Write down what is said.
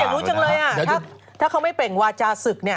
อย่างนู้นจังเลยอะถ้าเขาไม่เป็นวาจาศึกเนี่ย